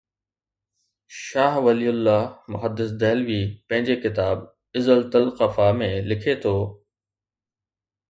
شاهه ولي الله محدث دهلوي پنهنجي ڪتاب ”اِزالتا الخفا“ ۾ لکي ٿو.